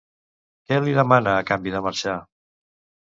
Què li demana a canvi de marxar?